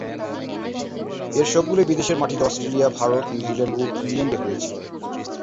এর সবগুলোই বিদেশের মাটিতে অস্ট্রেলিয়া, ভারত, নিউজিল্যান্ড ও ইংল্যান্ডে হয়েছিল।